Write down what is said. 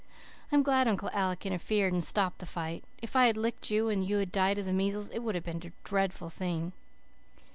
I'm glad Uncle Alec interfered and stopped the fight. If I had licked you and you had died of the measles it would have been a dreadful thing.